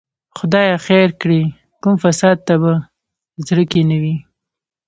خدای خیر کړي، کوم فساد ته په زړه کې نه وي.